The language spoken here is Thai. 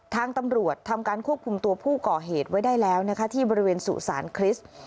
ทางตำรวจทำการควบคุมตัวผู้ก่อเหตุไว้ได้แล้วนะคะที่บริเวณสุสานคริสต์